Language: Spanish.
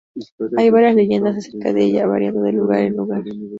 Hay varias leyendas acerca de ella, variando de lugar en lugar.